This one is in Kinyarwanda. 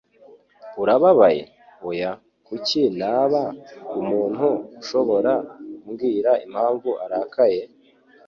Urababaye?" "Oya. Kuki naba?" Umuntu ashobora kumbwira impamvu arakaye?